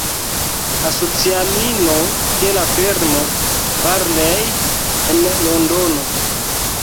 Asocianino de la firmo Barlei, en Londono.